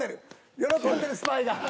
喜んでるスパイが。